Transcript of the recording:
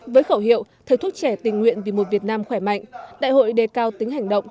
với khẩu hiệu thầy thuốc trẻ tình nguyện vì một việt nam khỏe mạnh đại hội đề cao tính hành động